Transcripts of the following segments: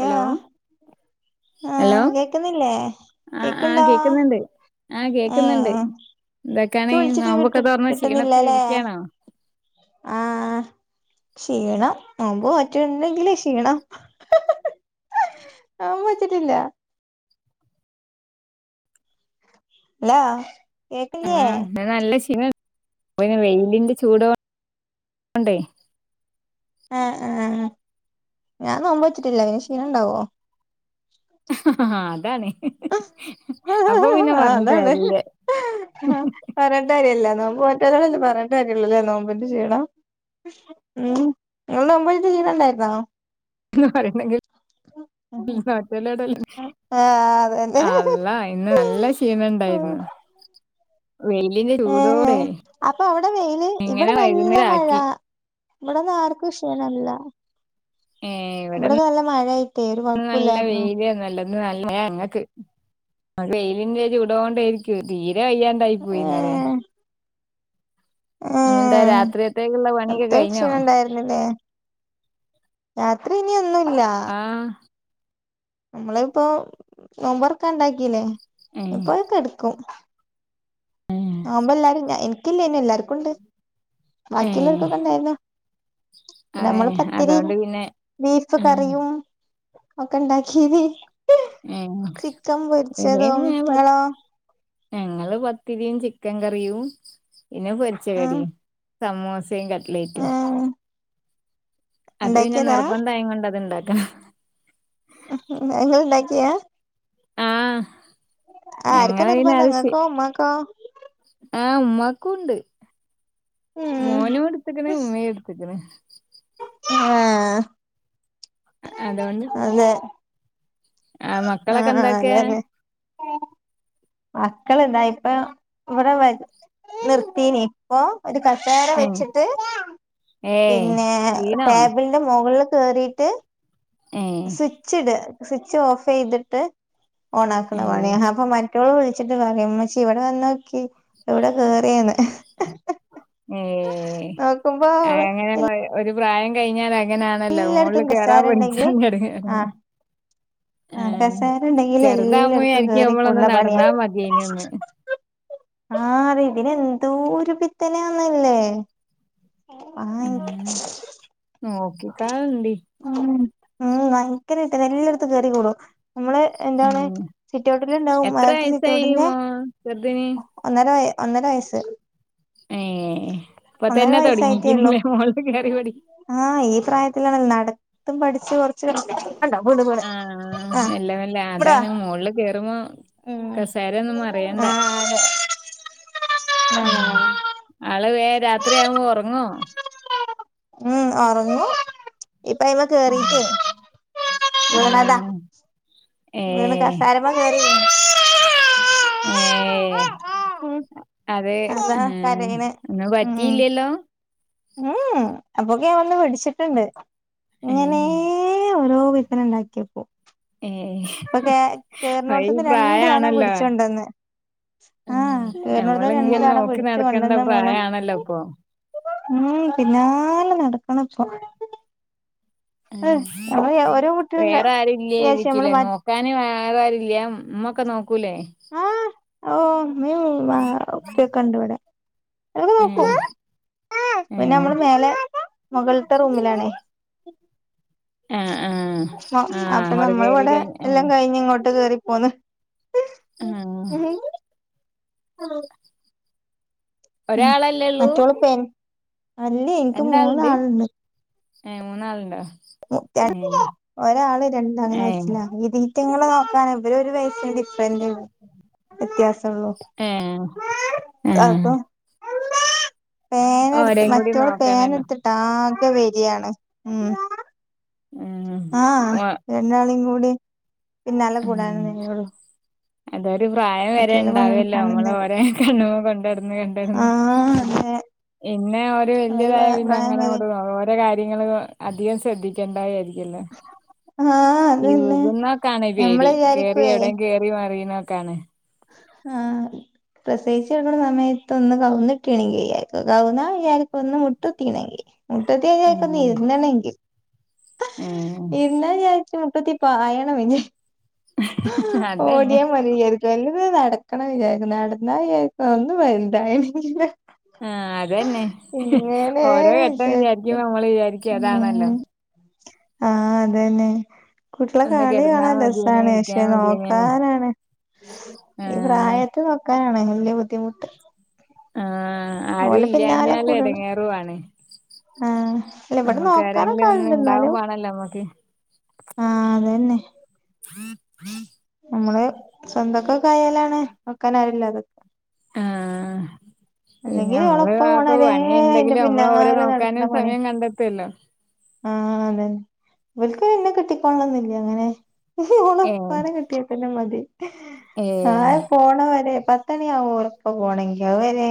Hello hello ആഹ് കേക്കുന്നില്ലേ ആഹ് ആഹ് കേക്ക്ണ്ടോ കേക്കുന്നുണ്ട്. ആഹ് കേക്കുന്നുണ്ട്. ഏഹ് ന്തൊക്കെയാണ ഇക്ക് വിളിച്ചിട്ട് നോമ്പൊക്കെ കിട്ട് തൊറന്ന ക്ഷീണത്തിൽ കിട്ടുന്നില്ലല്ലേ ഇരിക്കണോ? ആഹ് ആ ക്ഷീണം നോമ്പ് നോറ്റോണ്ടെങ്കില് ക്ഷീണം ആഹ നോമ്പ് നോറ്റിട്ടില്ല അല്ല കേക്കില്യ.. ആഹ് ഇന്ന് നല്ല ക്ഷീണ പിന്നെ വെയിലിന്റെ ചൂഡോണ്ടേ ആഹ് ആഹ് ഞാൻ നോമ്പ് നോറ്റിട്ടില്ല ഇനി ക്ഷീണം ണ്ടാവോ? ഹ ഹ ഹ അതാണ്. അപ്പൊ പിന്നെ ആഹ് പറഞ്ഞിട്ട് കാരില്ല. പറയേണ്ട കാര്യല്ല. നോമ്പ് നോറ്റോരോടല്ലേ പറയേണ്ടകാര്യള്ളൂല്ലേ നോമ്പിന്റ് ക്ഷീണം. ഉം നിങ്ങനോമ്പായിട്ട് ക്ഷീണണ്ടായിരുന്നോ? പറെണങ്കി ആഹ് അതന്നെ അള്ള [unintelligible] ന്ന് നല്ല ക്ഷീണണ്ടായിരുന്നു. ഏ അപ്പൊ അവടെ വെയില് ഇങ്ങനെ ഇവിടെ നല്ല വൈകുന്നേരം മഴ ആക്കി ഇവിടന്നാർക്കും ക്ഷീണല്ല ഏ ഇവിടെ ഇവിടൊക്കെ നല്ല മഴയായിട്ടേ ഒരു നല്ല കൊഴപ്പുല്ലായിരുന്നു വെയിലെന്നെല്ല നല്ല ങ്ങക്ക് വെയിലിന്റെ ചൂടോണ്ടയി - തീരെ വയ്യാണ്ടായി പോയിന്നറിയ ഏഹ് നിന്താ ഏഹ് രാത്രിയത്തേക്കുള്ള പണിയൊക്കെ കഴിഞ്ഞോ ല്ലേ രാത്രി ഇനി ഒന്നുല്ല ആഹ് നമ്മളിപ്പൊ നോമ്പറക്കെ ഉണ്ടാക്കില്ലേ ഏഹ് ഇപ്പൊക്കെ ടക്കും നൊമ്പോ ല്ലാരുംഞാ നിക്കില്ലേനി എല്ലാർക്കുണ്ടേനി. ഏഹ് ബാക്കിള്ളർക്കൊക്കെ ഉണ്ടായിന്നു. അതെ നമ്മള് അതോണ്ട് പത്തിരിഏനി പിന്നെ ബീഫ് ഏഹ് കറിയും ഒക്കെ ഇണ്ടാക്കീനി. ഏഹ് [inaudible] ചിക്കൻ പൊരിച്ചതും നിങ്ങളോ? ങ്ങള് പത്തിരിയും ചിക്കൻ കറിയും പിന്നെ പൊരിച്ചകടിയും. സമോസിം കട്ട്ലേറ്റും. ആഹ് അത് പിന്നെ ഇണ്ടാക്കിയതാ നിർബന്ധായ കൊണ്ട് അത്ണ്ടാക്ക. ഉം അത്ങ്ങൾണ്ടാക്കിയാ ആഹ് ആർക്ക ഞങ്ങള് പിന്നെ നിർബന്ധം അത് ശീ ങ്ങക്കോ മ്മാക്കോ? ആഹ് മ്മാക്കും ണ്ട്. ഉം മോനും ടുത്തക്കണ ഉമ്മയും ടുത്തക്കണ്. ആഹ് അതൊണ്ട് അതെ മക്കളൊക്കെ ആഹ് ആഹ് എന്താക്കാ അതന്നെ. മക്കൾ എന്താ ഇപ്പ ഇവിടെ നിർത്തിനി പ്പൊ ഒരു കസേര ഏഹ് വെച്ചിട്ട് ഏഹ് പിന്നെ വീണോ ടേബിൾ ന്റെ മുകളിൽ കേയറിയിട്ട് ഏഹ് സ്വിച്ച് ഇട് സ്വിച്ച് ഓഫ് ചെയ്തിട്ട് ഓൺ ആക്കണ ഏഹ് പണിയ അപ്പൊ റ് വിളിച്ചിട്ട് പറയാ മ്മച്ചി ഇവിടെ വന്ന നോക്കി ഇവിടെ കേയറിയന്ന് ഏ നോക്കുമ്പോ അങ്ങനെ ഒരു പ്രായം കഴിഞ്ഞാൽ അങ്ങനെയാണല്ലോ മുകളിൽ എല്ലായിടത്തും കയറാൻ കസേര ഇണ്ടെങ്കില് പഠിച്ചാൽ ആ ആഹ് കസേര ഇണ്ടെങ്കിലെല്ലാടത്തും ചെറുതാവുമ്പോഴായിരിക്കും കേറി നമ്മളൊന്ന് കൂടണ പണിയാ നടന്നാ മതിയേനൂന്ന്. ആഹ് ഇതിന് എന്തോ ഒരു പിത്തനാല്ലേ ആയിച്ച് നോക്കിക്കാൽണ്ടി ഉം ഭയങ്കരായിട്ട് എല്ലടത്തും കേറിക്കൂടും. മ്മള് എന്താണ് ഉം. സിറ്റ്ഔട്ടില് ഇണ്ടാവും എത്ര മേലത്തെ വയസ്സായി സിറ്റ്ഔട്ടിന്റെ മോ ചെറുതിന്? ഒന്നര വയസ്സ് ഏഹേ ഇപ്പൊ ഒന്നര തന്നെ വയസ്സായിട്ടേ ഉള്ളൂ തൊടങ്ങിക്കുന്നുലേ മോള്ക്ക് കേറിപഠി ആഹ് ഈ പ്രായത്തിലാണല്ലോ നടത്തും പഠിച്ച കൊറച്ച് കൊറച്ച് കണ്ടോ വീട് ആഹ് നല്ല നല്ല അതാണ് മുകളിൽ കേറുമ്പോ കസേരയൊന്നും ആഹ് മറിയണ്ട. അതെ ഉം. ആഹ് ആള് വേഗം രാത്രിയാവുമ്പോ ഉറങ്ങോ? ഉം ഉറങ്ങും ഇപ്പ അയിമെ കേറീട്ടേ ഉം വീണതാ വീണ് ഏഹ്. കസേരമെ കേറേരുന്നു ഏഹ് ഉം അതെ അതാ ഏഹ് കരയണ് ഒന്നും ഉം പറ്റിയില്ലല്ലോ അപ്പൊക്കെ ഞാൻ വന്ന് പിടിച്ചിട്ടുണ്ട്. ഇങ്ങനെ ഏഹ് ഓരോ പിത്തന്ന ഇണ്ടാക്കി വെക്കും ഏഹ് ഇപ്പൊ അത് ഈ കേറണോടത്തന്ന് രണ്ടു തവണ പ്രായാണല്ലോ പിടിച്ചോണ്ടന്ന് ഉം ആഹ് കേറണോടത്തിന്ന് രണ്ട് ഞമ്മളിങ്ങനെ തവണ നോക്കി പിടിച്ചു നടക്കണ്ട കൊണ്ടന്ന് മൂന്നാ പ്രായാണല്ലോ ഇപ്പൊ പിന്നാലെ നടക്കണപ്പോ നമ്മള് ഓരോ കുട്ടികളുടെ വേറെ ആരും വിചാരിച്ച് നമ്മള് ഇല്ലേരിക്കുലേ മ നോ നോക്കാന് വേറെ ആരൂല്ല ഉമ്മൊക്കെ നോക്കൂലേ ആഹ് ഉമ്മേം ഉപ്പക്കൊണ്ട് ഇവടെ അവരൊക്കെ ഏഹ് നോക്കും പിന്നെ ഏഹ് നമ്മള് മേലെ മുകളിത്തെ റൂമിലാണേ ആഹ് ആഹ് അപ്പൊ അങ്ങോട്ട് നമ്മള് കേറി ഇവടെ കഴി എല്ലാം ആഹ് കഴിഞ്ഞ് ഇങ്ങോട്ട് കേറിപ്പോന്ന്. ആഹ് ഹലോ ഒരാളല്ലേ ഉള്ളൂ മറ്റോൾ അല്ല എനിക്ക് രണ്ടാളുണ്ട് മൂന്നാളുണ്ട്. ഏഹ് മൂന്നാളുണ്ടോ? ഏഹ് ഒരാള് രണ്ടാം ഏഹ് ക്ലാസ്സില ഇതി വറ്റങ്ങളെ നോക്കാന ഇവര് ഒരു വയസ്സിൻ്റെ ഡിഫ്രൻ്റ് ഇണ്ട് വ്യത്യാസൊള്ളൂ ഏഹ് ആഹ് അപ്പൊ പേന എടുത്ത് ഓരേം കൂടി മറ്റോള് പേന നോക്കണല്ലോ എടുത്തി ആകെ വലിയാണ്. ഉം ആഹ് ഓ രണ്ടാളീം കൂടി പിന്നാലെ കൂടാന ഉം നേരൊള്ളു അതൊരു പ്രായം വരെ ഉണ്ടാവല്ലോ നമ്മള് നേരം ഓരോ കണ്ണുമോ കൊണ്ടൊടു ഇങ്ങനെ ഇണ്ടെർന്ന് ആഹ് അതെ ഇന്നെ ഓര് അവര് വല്ല്യതായ പിന്നെ പ്രായം അങ്ങനെ വരെ അങ്ങട് [unintelligible] കാര്യങ്ങൽ അധികം ശ്രദ്ധിക്കേണ്ട കാര്യല്ലല്ലോ ആഹ് ഈ അതന്നെ വികുന്നോക്കാണ് ഞമ്മള് പേടി കേറി വിചാരിക്കുവേ എവിടേം കേറി മറയുന്നോക്കാണ് ആഹ് പ്രസവിച്ച് കെടക്കുന്ന സമയത്ത് ഒന്ന് കവുന്നിട്ട്യാണെങ്കി ന്ന്ചാരിക്കും കവുന്നാ വിചാരിക്കും ഒന്ന് മുട്ടുത്തീരുന്നെങ്കി മുട്ടുത്തിചാരിക്കും ഒന്ന് ഉം ഇരുന്ന്ണ്ടെങ്കിൽ ഉം ഇരുന്ന വിചാരി ക്കും മുട്ടുത്തി പായണം വിചാ അതന്നെ ഓടിയാ മതി വിചാരിക്കും വലുത് നടക്കണം വിചാരിക്കും നടന്നാ വിചാരിക്കും ഒന്നു വലുതായെങ്കിലോ ആഹ് അതന്നെ ഓരോ ഘട്ടം വിചാരിക്കും നമ്മള് വിചാരിക്ക അതാണല്ലോ ഉം ആഹ് അതന്നെ കൂട്ട്യള ഒന്ന് കളി കെടന്നാ കാണാൻ മതിയേനി രസാണ് പ ഇരിക്കാ ക്ഷെ മതിയേനിന്ന് നോക്കാനാണ് ഈ ആഹ് പ്രായത്ത് നോക്കാനാണ് വല്യ ബുദ്ധിമുട്ട് ആഹ്‌ ഓലെ പിന്നാലെ ആരുല്ലഞ്ഞാല് കൂടണം എടങ്ങേറു ആണ് ആഹ് അല്ല ഇവിടെ നമ്മക്ക് ആരെങ്കിലും നോക്കാനൊക്കെ ആളുണ്ട് ഒന്ന്ണ്ടാമ്പാണല്ലോ നമ്മക്ക് ആഹ്‌ അതന്നെ. [inaudible] നമ്മള് സ്വന്തൊക്കെ കായാലാണ് വെക്കൻ ആരുല്ലതെ ആഹ്‌ ഇനി അല്ലെങ്കി ഓളെ മ്മള് ഉപ്പ ആക്കും പോണവരെ പണി അയിന്റെ ഇണ്ടെങ്കിലും നമ്മള് ഓരേ പിന്നാലെ നോക്കാനും സമയം കണ്ടെത്തുല്ലോ ആഹ്‌ അതന്നെ ഇവൽക്ക് ഇന്നെ കിട്ടിക്കൊണന്നില്ല അങ്ങനെ ഓള ഏ ഉപ്പാനെ കിട്ടിയാ പിന്നെ മതി ഏ ആഹ് പോണ വരെ പ അത്തണ ആവും ഓരെപ്പ പോണങ്കി അത് വരേ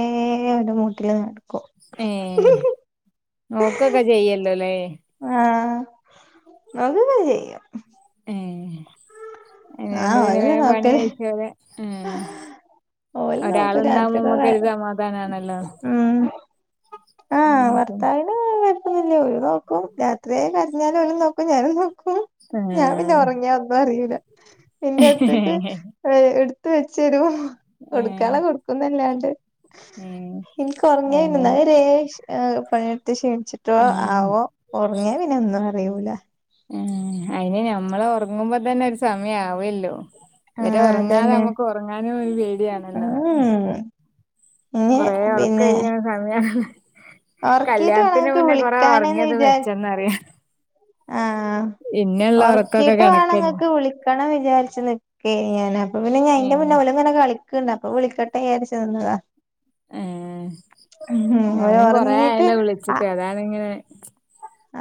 അവൻ്റെ മൂട്ടില് നടക്കും ഏഹ്‌ നോക്കൊക്കെ ചെയ്യല്ലോല്ലേ ആഹ്‌ അത് [unintelligible] എഹ്‌ അല്ലാണ്ട് ആഹ് ഓലെന്നെ പിന്നെേഗം പണി നോക്കല് അയച്ച [unintelligible] എഹ് ഓല് നോക്കും രാത്രിക്കൊക്കെ ഒരാളുണ്ടാവുമ്പോമ്മക്കൊരു സമാധാനാണല്ലോ. ഉം ആഹ്‌ ഓക്കെ ഭർത്താവി ഉം പറ്റുന്നില്ല ഒര് നോക്കും രാത്രിയായ കരഞ്ഞാല് ഓനും നോക്കും ഞാനും നോക്കും. ഏ ഞാൻ പിന്നെ ഒറങ്ങിയ ഒന്നും അറിയില്ല എന്റെ അടുത്തേക്ക് എടുത്ത് വെച്ചരും ഏ കൊടുക്കന്ള്ള കൊടുക്കുംന്നല്ലാണ്ട്. ഏ എനികുറങ്ങിയ പിന്നേ അങ്ങനെ രെ പണിടുത്ത് ക്ഷണിച് ന്തോ ഏ ആവോ ഉറങ്ങിയ പിന്നെ ഒന്നും അറിയൂല ഉം അയിന് ഞമ്മൾ ഉറങ്ങുമ്പോ തന്നെ ഒരു സമയവല്ലോ. ആഹ് ഇവരുറങ്ങാതെ അതന്നെ നമ്മുക്ക് ഉറങ്ങാനും ഒരു പേടിയാണല്ലോ. ഉം ഇനി കൊറെ പിന്നെ ഒറക്കയ്യണ സമയാണല്ലേ. ഉറക്കീട്ട് വേണം കല്യാണത്തിന് ഇങ്ങക്ക് മുന്നേ കൊറ വിളിക്കാനെന്ന് ഉറങ്ങിയത് മെച്ചന്നറിയാം ആഹ്‌ ഉറക്കിയിട്ട് കണക്കന്നെ വേണങ്ങക്ക് വിളിക്കണം വിചാരിച് നിക്കയ ഞൻ അപ്പൊ പിന്നെ ഞൻന്റെ ഏഹ് മുന്നേ പോല അങ്ങനെ കളിക്ണ്ട് അപ്പൊ വിളിക്കട്ടെയരിചെന്നതാ ഏഹ് ഉം അവൻ ഉറങ്ങിട്ട് ആഹ്‌ അതിങ്ങനെ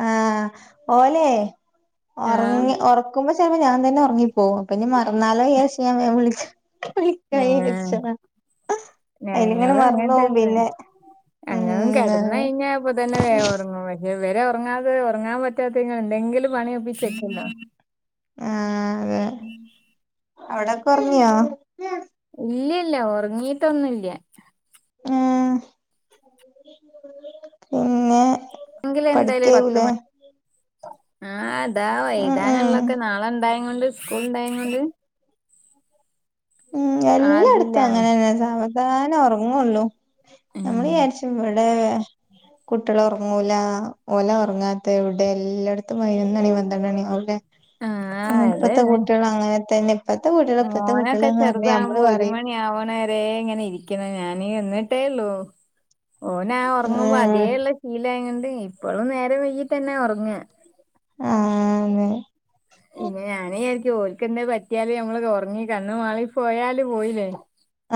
ആഹ്‌ ഓലെ ആഹ് ഒറങ്ങി ഒറക്കുമ്പോ ചെലപ്പൊ ഞാൻ തന്നെ ഒറങ്ങിപ്പോകും പിനി മറന്നാലോ ചാരിച്ച് ഞാൻ വേം വിളിച്ച ഏഹ് വിളിക്കൈചരിച്ചതാ അയിലിങ്ങനെ മറന്നോകും പിന്നെ. ഉം അങ്ങനും അതെ കിടന്നഴിഞ്ഞ അപ്പ തന്നെ വേ ഉറങ്ങും പിന്നെ വരെ ഉറങ്ങാതെ ഉറങ്ങാൻ പറ്റാത്ത ഇങ്ങ എന്തെങ്കിലും പണിയൊപ്പിച്ചെക്കന്ന ഉം അവിടക്കറങ്ങിയോ? ഇല്ല ഇല്ല ഉറങ്ങീട്ടൊന്നുംല്ല ഉം പിന്നെ എങ്കിൽ എന്തായാലും പത്ത് പഠിക്കാവൂലേ മണി ആഹ് താ ഉം ഉം വൈതാനള്ളൊക്കെ നാളെണ്ടായ കൊണ്ട് സ്കൂൾ ഇണ്ടായ കൊണ്ട് ഉം എല്ലാടത്തും ആതില്ലാണ് അങ്ങനെന്നെ സാവധാനം ഉറങ്ങുള്ളൂ ഉം നമ്മള്ചാരിച് ഇവിടെ കുട്ടികളറങ്ങൂല ഒല ഉറങ്ങാത്ത ഇവിടെ എല്ലായിടത്തും പൈനൊന്നണി പണ്ട്രണ്ടണി. അവിടെ? ആ ഇപ്പത്തെ അതന്നെ കൂട്ടികള് അങ്ങനെ തന്നെ ഇപ്പത്തെ കൂട്ടികള് ഇപ്പത്തെ കുട്ടികൾ ഒക്കെ ചെറുതാകുമ്പോ ഒരു മണി ആവണവരെ ഇങ്ങനെ ഇരിക്കുന്ന ഞാന് എന്നിട്ടേള്ളു ഓനാ ഉറങ്ങുമ്പോ ആഹ് അതേള്ള ശീലായങ്ങൊണ്ട് ഇപ്പോഴും നേരെം വെ്യകി തന്നെയ ഉറങ്ങന്നെ ആഹ് പിന്നെ ഞാന ചാരിക്കും ഓൽക്കണ്ട പറ്റിയാല് നമ്മള് ഉറങ്ങി കണ്ണു മാളി പോയാല് പോയില്ലേ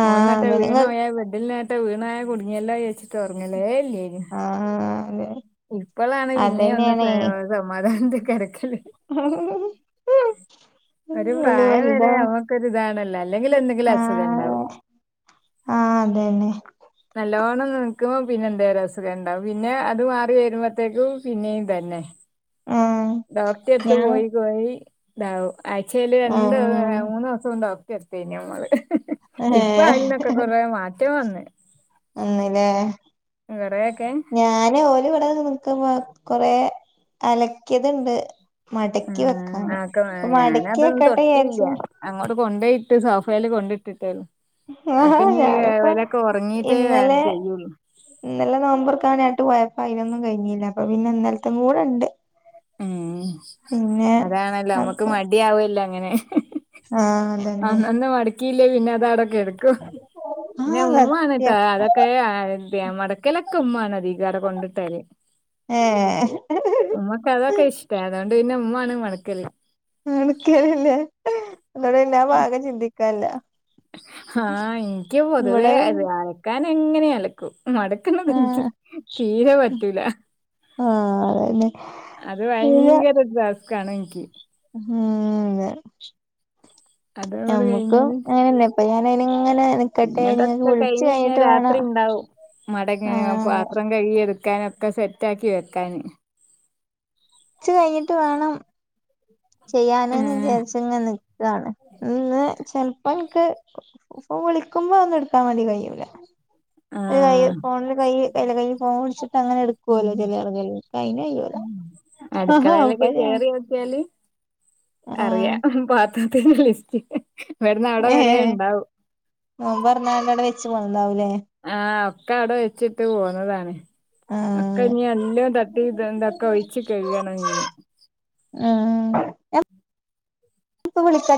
ആഹ് മോളന്നട്ട അങ്ങനെ വീണോയ ബെഡിൽ നിനേട്ട വീണോയ കുടുങ്ങിയല്ലചാരിച്ചിട്ട് ഒറങ്ങലെല്ലേ ആഹ് അതെ ഇപ്പോളാണ് പിന്നെ ഒന്ന് അതന്നെയാണേ സ സമാധാനത്തിൽ കെടക്കല്. [unintelligible] ഉ ഒരു ഇള പ്രായം വലത വരെ നമുക്കൊരു ഇതാണല്ലോ അല്ലെങ്കിൽ എന്തെങ്കിലും അസുഖം ഉണ്ടാവും. ആഹ ആഹ അതെന്നെ നല്ലവോണം നിക്കുമോ പിന്നെ എന്താും അസുഖം ഉണ്ടാവും പിന്നെ അ മാറി വരുമ്പോത്തേക്കും പിന്നെയും തന്നെ ആഹ് ഡോക്ടറെ എടുത്ത് ഞാൻ പോയി പോയി ഇണ്ടാവും ആച്ചൽ രണ്ട ആഹ് മൂന്ന ണ്ടോക്കത്തനി നമ്മള് ഇപ്പൊ ഏഹ് അതിതിനന്നൊക്കെ കുറേ മാറ്റം വന്നു ഒന്നല്ലേ വറയൊക്കെ ഞാൻ ഓല ഇവിടെ നിക്കുമ്പോ കൊറ അലക്കിയത്ണ്ട് മടക്കി ഉം വെക്കാന് ആക്ക അപ്പൊ മടക്കി ഞാനതൊന്നും വക്കാട്ടെ തൊട്ടില്ല. വിചാരിച്ചു അങ്ങോട്ട് കൊണ്ടേയിട്ട് സോഫൽ കൊണ്ട ഇട്ടിട്ടേല്ല ആഹ് അതക്കെ ഇ ഞാനിപ്പോ വിലൊക്കെ ഉറങ്ങീട്ടേ ഇന്നലെ ചെയ്യൂുള്ളു ഇന്നലെ നൊമ്പറക്കൻ ആയിട്ട് പോയപ്പ അതിനൊന്നും കഴിഞ്ഞില്ല അപ്പ പിന്നെ ഇന്നലത്തെും കൂടെ ഉണ്ട് ഉം അതാണല്ലോ നമ്മക്ക് മടി ആവല്ലോ അങ്ങനെ ആഹ അ അന്ത മടക്കിയില്ലേ പിന്നെ അത അടൊക്കെ എടുക്കും ഇന്നെ ആഹ് ഉമ്മ സത്യം അനട്ടാ അതൊക്കെ ഇക് കിലക്ക ഉ്മാണ് അധീകാര കൊണ്ടിട്ടല് ആഏ ഉമ്മക്ക് അതൊക്കെ ഇഷ്ട അതുകൊണ്ട് പിന്നെ ഉമ്മ ആണ് മടക്കല്ല മനക്കന്നെ അടെല്ല ഭാകം ചിന്തിക്കല്ല ആഹ എനിക്ക് പൊതുവേ അത് അഴക്കാൻ എങ്ങനെ അലക്കും മടു എനിക്ക് ആഹ് തീരെ പറ്റൂല ആഹ അരന്നെ അത് ഭയങ്കര ഡാസ്ക്കാണ് എനിക്ക് ഉം അതും കൂടെ നമ്മുക്കും കഴിഞ്ഞാല് അങ്ങനെയല്ല ഇപ്പ ഞാനനിങ്ങനെ നിക്കട്ടെ ഇനി വിളിച്ചു കഴിഞ്ഞിട്ട് വേണം ണ്ടാവും മടങ്ങി ആഹ് പാത്രം കഴ എടുക്കാനൊക്കെ സെറ്റ ആക്കി വെക്കാന് വച്ച് കഴിഞ്ഞിട്ട് വേണം ചെയ്യാനന്ന് ഏഹ് വിചാരിച്ച ഇങ്ങെ നിൽക്കുകാണ് ഇന്ന് ചെലപ്പോ എനിക്ക് പപ്പ വിളിക്കുമ്പോ ഒന്നും എടുത്താൻ മതി കഴില ക ആഹ് ഫോണില് കൈ കയ് കൈ ഫോൺ വിടിച്ചിട്ട് അങ്ങനെ എടുക്ക ഉം. കോലജല്ല കായി ന പറ ല് അറിയ പാത്തത്ത ലിസ്റ്റ് ഇവിടെ നാടൻ വരെ ഉണ്ടാവും ആ എറണാകളം അടെ വെച്ച് പോണുന്നുണ്ടാവൂലേ ആഹ ഒക്കെ അവിടെ വെച്ചിട്ട് പോന്നതാണ് അക്ക ആഹ് ഇനി എല്ലാം തട്ടിത് എന്തൊക്കെ ഒഴിച്ചച്ച് കഴുകണം ഇ ഉം പ്പ വിളിക്ക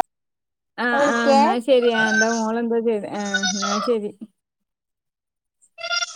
ആഹ് ഇപ്പ ആഹ വിളിക്കേ എന്നാൽ ശെരിയാ എന്താ മോള എന്താ ചെയ്ത് ആഹ് എന്നാ ശരി